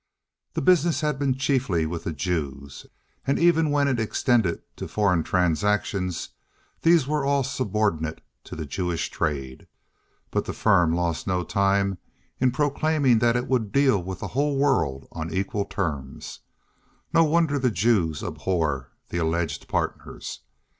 This business had been chiefly with the Jews, and even when it extended to foreign transactions, these were all subordinate to the Jewish trade. But the Firm lost no time in proclaiming that it would deal with the whole world on equal terms: no wonder the Jews abhor the alleged partners!